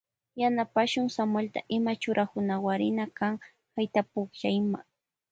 Yanapashun Samuelta ima churakunawarina kan haytaypukllayma.